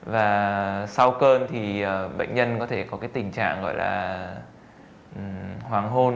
và sau cơn thì bệnh nhân có thể có tình trạng hoàng hôn